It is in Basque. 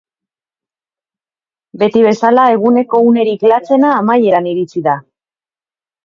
Beti bezala, eguneko unerik latzena amaieran iritsi da.